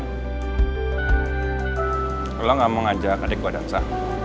kalo lo gak mau ngajak adik gua dansa